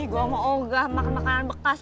gue mau ogah makan makanan bekas